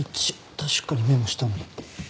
確かにメモしたのに。